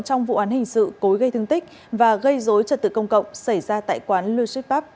trong vụ án hình sự cối gây thương tích và gây dối trật tự công cộng xảy ra tại quán lucid pub